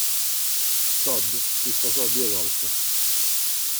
Todd si sposò due volte.